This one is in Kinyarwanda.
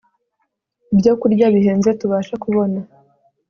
ibyokurya bihenze Tubasha kubona